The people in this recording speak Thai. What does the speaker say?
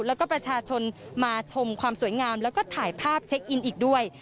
แล้วก็ประชาชนมาชมความสวยงามแล้วก็ถ่ายภาพเช็คอินอีกด้วย